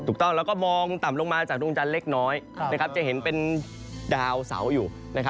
ถูกต้องแล้วก็มองต่ำลงมาจากดวงจันทร์เล็กน้อยจะเห็นเป็นดาวเสาอยู่